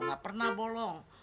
gak pernah bolong